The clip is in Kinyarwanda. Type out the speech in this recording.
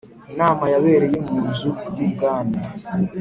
Nama yabereye mu nzu y ubwami